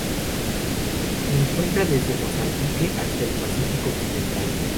Se encuentra desde Mozambique hasta el Pacífico occidental.